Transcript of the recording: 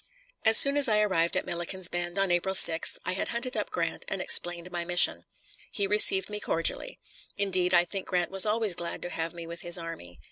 As soon as I arrived at Milliken's Bend, on April 6th, I had hunted up Grant and explained my mission. He received me cordially. Indeed, I think Grant was always glad to have me with his army.